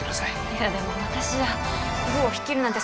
いやでも私じゃ部を率いるなんて